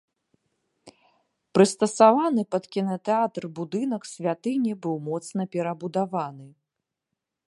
Прыстасаваны пад кінатэатр будынак святыні быў моцна перабудаваны.